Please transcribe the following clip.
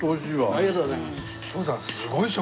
ありがとうございます。